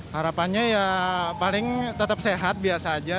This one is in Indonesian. harapannya ya paling tetap sehat biasa aja